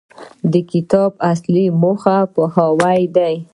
د کتاب اصلي موخه پوهاوی دی.